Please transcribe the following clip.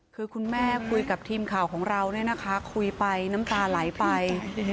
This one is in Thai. คือคุณแม่คุยกับทีมข่าวของเราเนี่ยนะคะคุยไปน้ำตาไหลไป